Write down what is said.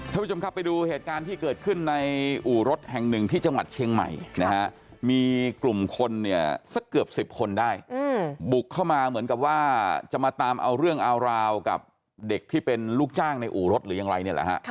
ท่านผู้ชมครับไปดูเหตุการณ์ที่เกิดขึ้นในอู่รถแห่งหนึ่งที่จังหวัดเชียงใหม่นะฮะมีกลุ่มคนเนี่ยสักเกือบ๑๐คนได้บุกเข้ามาเหมือนกับว่าจะมาตามเอาเรื่องเอาราวกับเด็กที่เป็นลูกจ้างในอู่รถหรือยังไรเนี่ยแหละฮะ